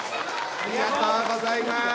ありがとうございます。